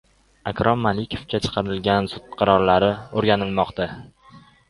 Akrom Malikovga chiqarilgan sud qarorlari o‘rganilmoqda